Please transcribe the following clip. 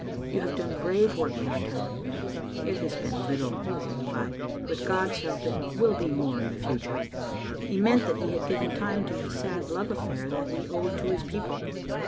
You have done brave work in our town. "" It has been little," he replied. " With God's help it will be more in future. " He meant that he had given time to his sad love affair that he owed to his people.